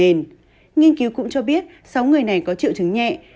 nghiên cứu cũng cho biết sáu người này có triệu chứng nhẹ